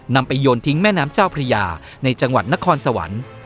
นำไปโยนทิ้งแม่น้ำเจ้าพระยาในจังหวัดนครสวรรค์